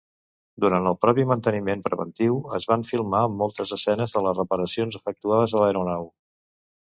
Durant el propi manteniment preventiu, es van filmar moltes escenes de les reparacions efectuades a l'aeronau.